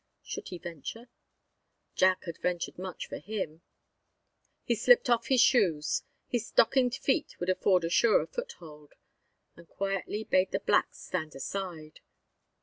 Should he venture? Jack had ventured much for him. He slipped off his shoes his stockinged feet would afford a surer foothold and quietly bade the blacks stand aside.